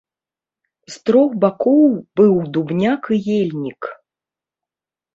З трох бакоў быў дубняк і ельнік.